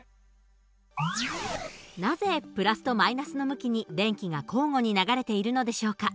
なぜ＋と−の向きに電気が交互に流れているのでしょうか？